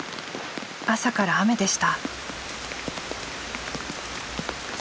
朝から雨でした。